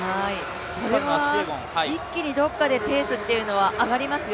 これは一気にどこかでペースは上がりますよ。